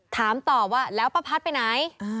ถามตอบว่าแล้วป้าพัดไปไหน